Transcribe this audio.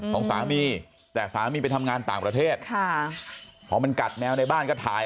ของสามีแต่สามีไปทำงานต่างประเทศค่ะพอมันกัดแมวในบ้านก็ถ่าย